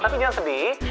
tapi jangan sedih